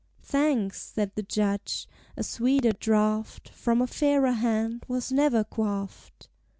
"Thanks!" said the Judge, "a sweeter draught From a fairer hand was never quaffed."